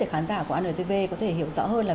để khán giả của anotv có thể hiểu rõ hơn là